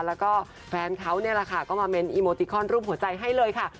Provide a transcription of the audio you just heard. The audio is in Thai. แล้วก็แฟนเขานี่แหละค่ะก็มาเน้นอีโมติคอนรูปหัวใจให้เลยค่ะ